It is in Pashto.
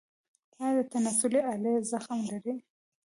ایا د تناسلي آلې زخم لرئ؟